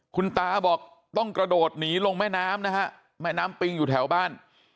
คุณตาบอกต้องกระโดดหนีลงแม่น้ำนะฮะแม่น้ำปิงอยู่แถวบ้าน